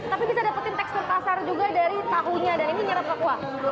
tapi bisa dapetin tekstur kasar juga dari tahunya dan ini nyerap ke kuah